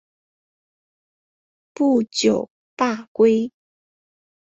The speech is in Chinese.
不久罢归。